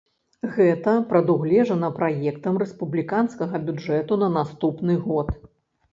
Гэта прадугледжана праектам рэспубліканскага бюджэту на наступны год.